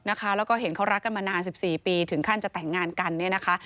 แล้วก็เห็นเขารักกันมานาน๑๔ปีถึงขั้นจะแต่งงานกันเนี่ยนะคะ